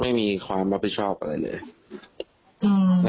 ไม่มีความรับผิดชอบอะไรเลย